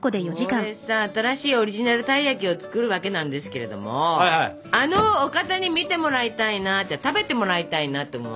これさ「新しいオリジナルたい焼き」を作るわけなんですけれどもあのお方に見てもらいたいな食べてもらいたいなと思うわけ。